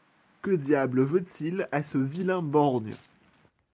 Que diable veut-il à ce vilain borgne?